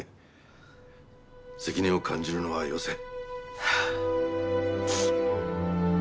責任を感じるのはよせ。